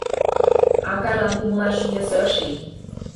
Акажлан умылаш йӧсӧ ыш лий.